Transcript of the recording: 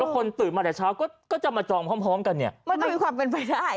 คนตื่นมาแต่เช้าก็จะมาจองพร้อมกันเนี่ยมันก็มีความเป็นไปได้